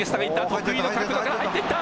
得意の角度から入っていった。